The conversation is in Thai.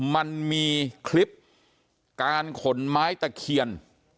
มันมีคลิปการขนไม้ตะเคียน